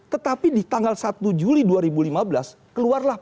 tetapi di tanggal satu januari itu memang amanat